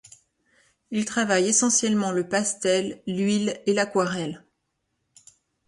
Il travaille essentiellement le pastel, l'huile et l'aquarelle.